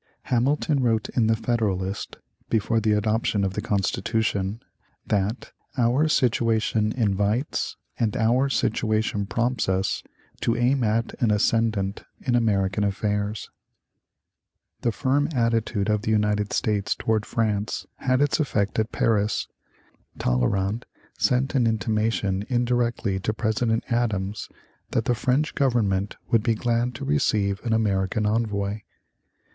Hamilton wrote in "The Federalist," before the adoption of the Constitution, that "our situation invites and our situation prompts us to aim at an ascendant in American affairs." The firm attitude of the United States towards France had its effect at Paris. Talleyrand sent an intimation indirectly to President Adams that the French government would be glad to receive an American envoy.